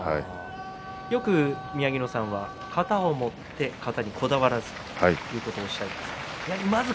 よく宮城野さんは型を持って、型にこだわらずということをおっしゃいます。